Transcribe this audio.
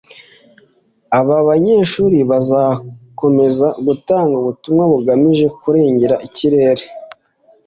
aba banyeshuri bakazakomeza gutanga ubutumwa bugamije kurengera ikirere